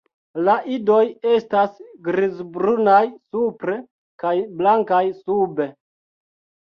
La idoj estas grizbrunaj supre kaj blankaj sube.